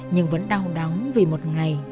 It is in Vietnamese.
nhưng vẫn đau đắng vì một ngày